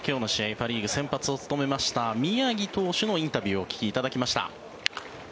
パ・リーグ先発を務めました宮城投手のインタビューをお聞きいただきました。